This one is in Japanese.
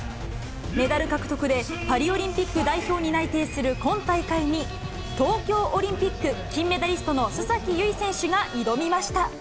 メダル獲得で、パリオリンピック代表に内定する今大会に、東京オリンピック金メダリストの須崎優衣選手が挑みました。